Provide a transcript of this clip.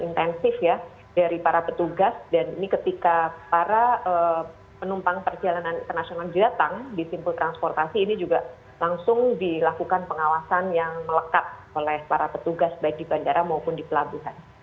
intensif ya dari para petugas dan ini ketika para penumpang perjalanan internasional datang di simpul transportasi ini juga langsung dilakukan pengawasan yang melekat oleh para petugas baik di bandara maupun di pelabuhan